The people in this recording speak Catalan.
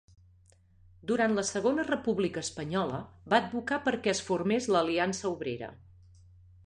Durant la Segona República Espanyola va advocar perquè es formés l'Aliança Obrera.